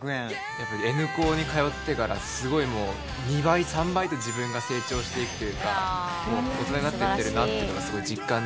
やっぱりＮ高に通ってからすごいもう２倍３倍と自分が成長していくというか大人になっていってるなっていうのがすごい実感できて。